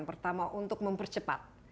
pertama untuk mempercepat